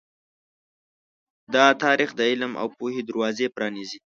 دا تاریخ د علم او پوهې دروازې پرانیزي.